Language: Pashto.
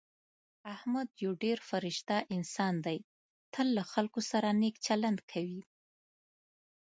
احمد یو ډېر فرشته انسان دی. تل له خلکو سره نېک چلند کوي.